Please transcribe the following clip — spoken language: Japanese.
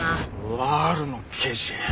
ワルの刑事。